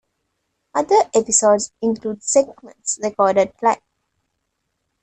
Other episodes include segments recorded live.